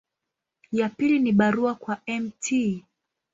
Ya pili ni barua kwa Mt.